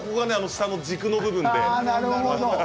下が軸の部分です。